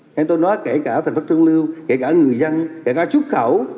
nghe tôi nói kể cả thành phố trương lưu kể cả người dân kể cả xuất khẩu